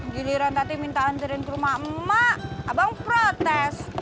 giliran tadi minta anterin ke rumah emak abang protes